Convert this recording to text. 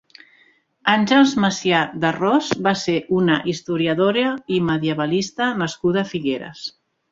Àngels Masià de Ros va ser una historiadora i medievalista nascuda a Figueres.